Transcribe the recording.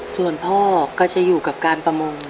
ส่วนพ่อก็จะอยู่กับการประมง